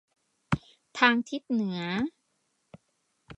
ทางทิศเหนือ